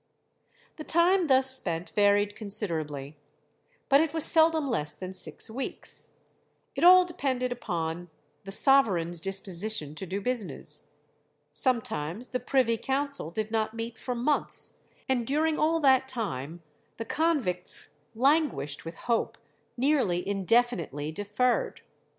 The time thus spent varied considerably, but it was seldom less than six weeks. It all depended upon the sovereign's disposition to do business. Sometimes the Privy Council did not meet for months, and during all that time the convicts languished with hope nearly indefinitely deferred.